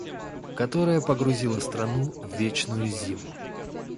которая погрузила страну в вечную зиму.